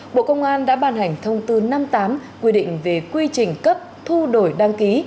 bộ công an đã ban hành thông tư năm mươi tám quy định về quy trình cấp thu đổi đăng ký